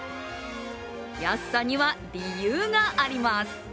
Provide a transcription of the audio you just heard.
安さには理由があります。